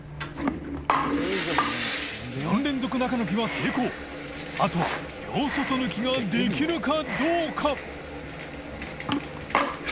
磽艦中抜きは成功磴△箸両外抜きができるかどうか森川）